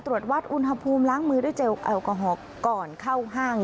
ตรวจวัดอุณหภูมิล้างมือด้วยเจลแอลกอฮอล์ก่อนเข้าห้าง